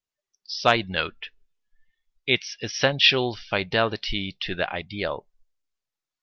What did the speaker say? [Sidenote: Its essential fidelity to the ideal.